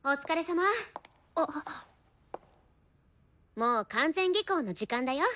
もう完全下校の時間だよ。